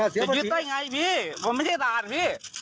จะยืดได้ไงพี่ผมไม่ได้ด่านพี่